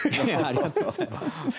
ありがとうございます。